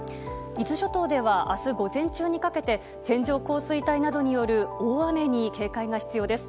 伊豆諸島では明日午前中にかけて線状降水帯などによる大雨に警戒が必要です。